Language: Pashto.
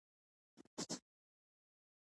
د انارو ساتل په سړو خونو کې څنګه دي؟